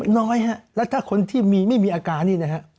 น้อยแล้วถ้าคนที่ไม่มีอาการนี่นะครับ